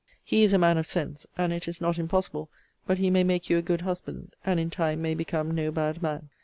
He is a man of sense; and it is not impossible but he may make you a good husband, and in time may become no bad man.